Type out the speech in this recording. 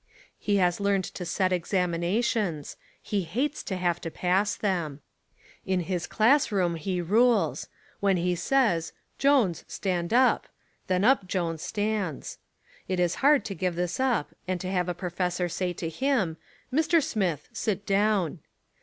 He has learned to set examinations; he hates to have to pass them. In his class room he rules; when he says, "Jones, stand up," then up Jones stands. It is hard to give this up and to have a professor say to him, "Mr. Smith, sit down."